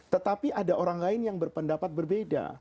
tetapi ada orang lain yang berpendapat berbeda